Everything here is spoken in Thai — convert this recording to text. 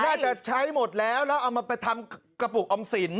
น่าจะใช้หมดแล้วแล้วเอามาไปทำกระปุกออมสิน